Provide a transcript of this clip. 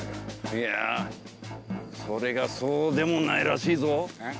いやそれがそうでもないらしいぞ。